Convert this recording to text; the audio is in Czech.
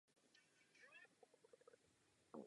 O celkovém vítězi rozhodla porota ve finálovém kole.